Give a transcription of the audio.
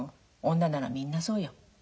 女ならみんなそうよ。